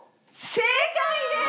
正解でーす！